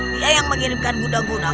dia yang mengirimkan budak budak